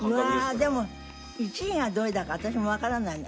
でも１位がどれだか私もわからないの。